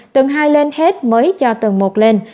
tường hai lên hết mới cho tường một lên